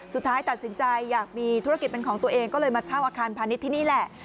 สุดท้ายตัดสินใจอยากมีธุรกิจเป็นของตัวเองก็เลยมาเช่าอาคารพาณิชย์ที่นี่แหละ